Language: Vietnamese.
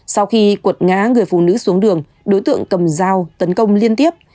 sau khi cuột ngã người phụ nữ xuống đường đối tượng cầm dao tấn công liên tiếp